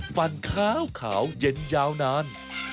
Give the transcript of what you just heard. ฟันขาวเย็นยาวนาน